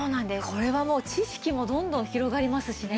これはもう知識もどんどん広がりますしね。